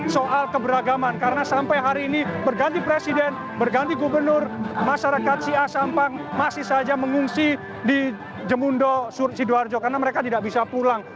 soal keberagaman karena sampai hari ini berganti presiden berganti gubernur masyarakat si a sampang masih saja mengungsi di jemundo sidoarjo karena mereka tidak bisa pulang